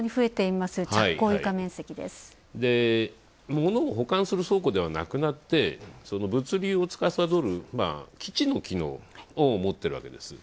物を保管する倉庫ではなくなって、物流をつかさどる基地の機能を持っているわけです。